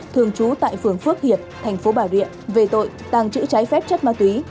thường trú tại phường phước hiệt tp bà rịa về tội tàng trữ trái phép chất ma túy